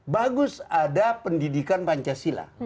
bagus ada pendidikan pancasila